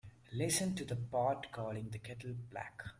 Listen to the pot calling the kettle black.